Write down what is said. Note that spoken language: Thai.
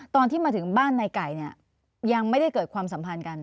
ตอนที่มาถึงบ้านในไก่เนี่ยยังไม่ได้เกิดความสัมพันธ์กัน